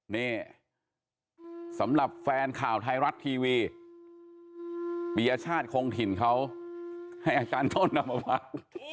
เนี่ยสำหรับแฟนข่าวไทยรัฐทีวีบิญญาชาติคงถิ่นเขาให้อาจารย์โทษน้ำมาบัง